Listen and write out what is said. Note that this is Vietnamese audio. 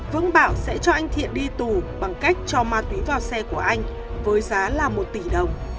vương bảo sẽ cho anh thiện đi tù bằng cách cho ma túy vào xe của anh với giá là một tỷ đồng